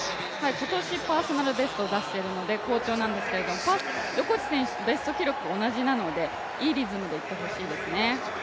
今年パーソナルベストを出しているので好調なんですけれども横地選手とベスト記録同じなので、いいリズムでいってほしいですね。